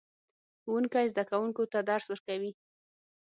ښوونکی زده کوونکو ته درس ورکوي